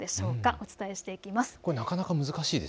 お伝えしていきます。